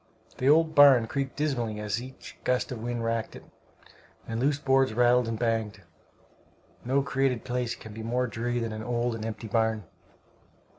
The old barn creaked dismally as each gust of wind racked it, and loose boards rattled and banged. No created place can be more dreary than an old and empty barn.